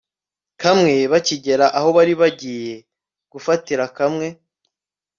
kamwe bakigera ho bari bagiye gufatira kamwe